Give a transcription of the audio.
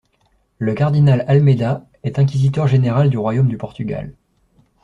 Le cardinal Almeida est inquisiteur général du royaume du Portugal.